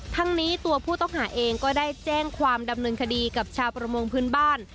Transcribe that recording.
ทั้งนี้ตัวผู้ต้องหาเองก็ได้แจ้งความดำเนินคดีกับชาวประมงพื้นบ้าน